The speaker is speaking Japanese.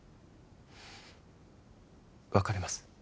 別れます